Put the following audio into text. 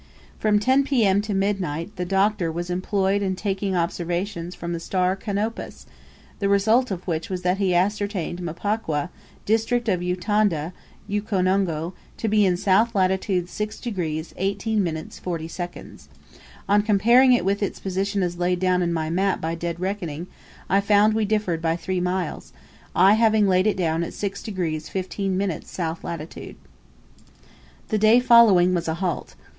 From 10 P.M. to midnight the Doctor was employed in taking observations from the star Canopus, the result of which was that he ascertained Mpokwa, district of Utanda, Ukonongo, to be in S. latitude 6 degrees 18 minutes 40 seconds. On comparing it with its position as laid down in my map by dead reckoning, I found we differed by three miles; I having laid it down at 6 degrees 15 minutes south latitude. The day following was a halt.